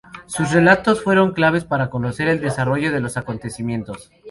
Sus relatos fueron claves para conocer el desarrollo de los acontecimientos.